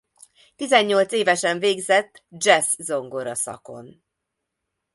Tizennyolc évesen végzett dzsessz-zongora szakon.